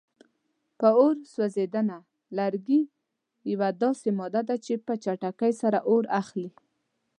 په اور سوځېدنه: لرګي یوه داسې ماده ده چې په چټکۍ سره اور اخلي.